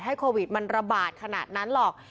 โควิดมันระบาดขนาดนั้นหรอก